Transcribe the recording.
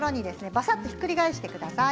ばさっとひっくり返してください。